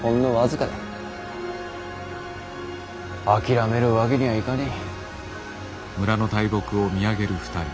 諦めるわけにはいかねぇ。